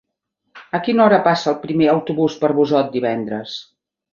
A quina hora passa el primer autobús per Busot divendres?